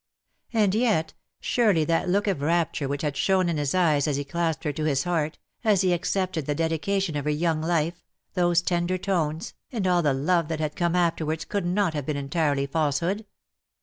And yet, surely that look of rapture which had shone in his eyes as he clasped her to his heart, as he accepted the dedication of her young life, those tender tones, and all the love that had come afterwards could not have been entirely falsehood.